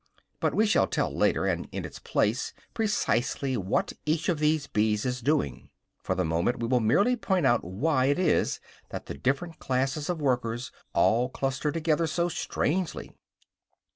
But we shall tell later, and in its place, precisely what each of the bees is doing; for the moment we will merely point out why it is that the different classes of workers all cluster together so strangely.